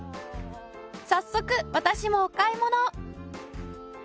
早速私もお買い物！